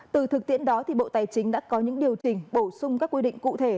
từ thực tiễn đó bộ tài chính đã có những điều chỉnh bổ sung các quy định cụ thể